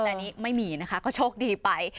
แต่อันนี้ไม่มีนะคะก็โชคดีไป